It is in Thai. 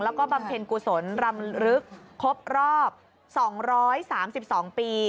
แล้วก็บำเพ็ญกุศลรำลึกครบรอบ๒๓๒ปี